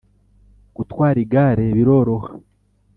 gutwaraz igare biroroha